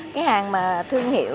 cái hàng mà thương hiệu